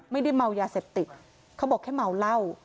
ไม่ได้เมายาเสพติดเขาบอกแค่เมาเหล้า